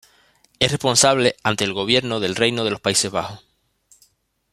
Es responsable ante el Gobierno del Reino de los Países Bajos.